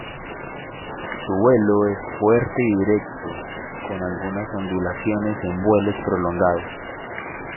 Su vuelo es fuerte y directo con algunas ondulaciones en vuelos prolongados.